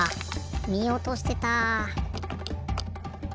みおとしてた。